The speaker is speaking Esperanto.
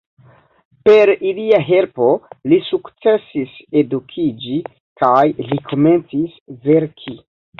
Per ilia helpo li sukcesis edukiĝi, kaj li komencis verki.